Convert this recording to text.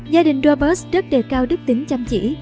gia đình robert rất đề cao đức tính chăm chỉ